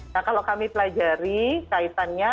nah kalau kami pelajari kaitannya